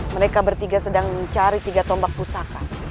mereka bertiga sedang mencari tiga tombak pusaka